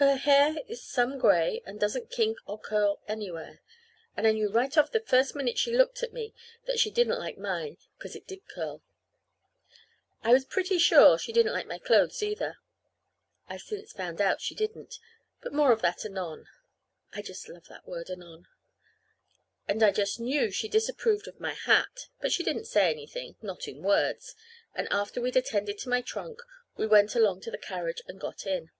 Her hair is some gray, and doesn't kink or curl anywhere; and I knew right off the first minute she looked at me that she didn't like mine, 'cause it did curl. I was pretty sure she didn't like my clothes, either. I've since found out she didn't but more of that anon. (I just love that word "anon.") And I just knew she disapproved of my hat. But she didn't say anything not in words and after we'd attended to my trunk, we went along to the carriage and got in.